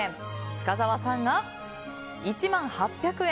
深澤さんが１万８００円。